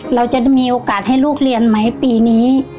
เราจะมีโอกาสให้ลูกเรียนไหมปีนี้